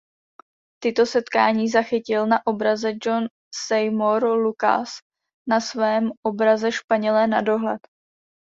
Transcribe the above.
Toto setkání zachytil na obraze John Seymour Lucas na svém obraze "Španělé na dohled".